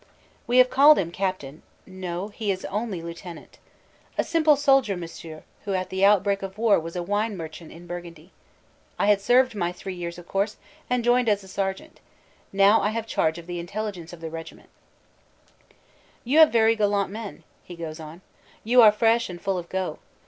We have called him "Captain"; no, he is only lieutenant. "A simple soldier, Monsieur, who at the outbreak of war was a wine merchant in Burgundy. I had served my three years of course, and joined as a sergeant. Now I have charge of the Intelligence of the regiment." FRENCH SCENES 99 "You have very gallant men," he goes on. "You are fresh and full of go.